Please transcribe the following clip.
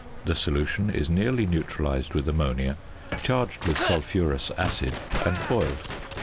The solution is nearly neutralised with ammonia, charged with sulphurous acid, and boiled.